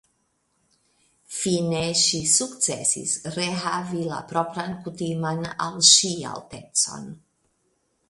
Fine ŝi sukcesis rehavi la propran kutiman al ŝi altecon.